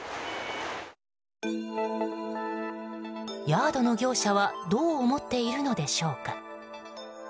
ヤードの業者はどう思っているのでしょうか。